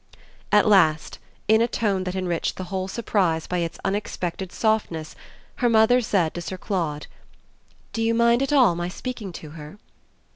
At last, in a tone that enriched the whole surprise by its unexpected softness, her mother said to Sir Claude: "Do you mind at all my speaking to her?"